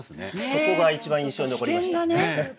そこが一番印象に残りましたね。